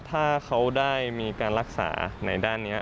ถ้าเขาได้มีการรักษาในด้านนี้